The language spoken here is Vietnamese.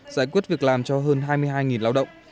giải quyết việc làm cho hơn hai mươi hai lao động